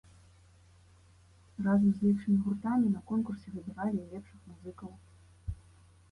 Разам з лепшымі гуртамі на конкурсе выбіралі і лепшых музыкаў.